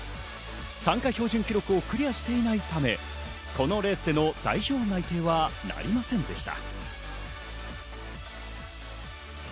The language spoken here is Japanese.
参加標準記録をクリアしていないため、このレースでの代表の内定はなりませんでした。